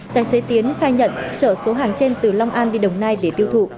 tài xế tiến khai nhận chở số hàng trên từ long an đi đồng nai để tiêu thụ